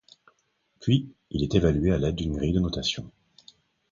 Puis il est évalué à l’aide d’une grille de notation.